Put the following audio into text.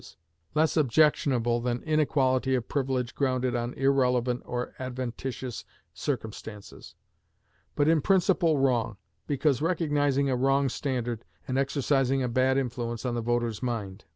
I look upon it as only relatively good; less objectionable than inequality of privilege grounded on irrelevant or adventitious circumstances, but in principle wrong, because recognizing a wrong standard, and exercising a bad influence on the voter's mind.